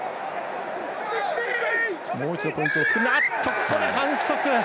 ここで反則。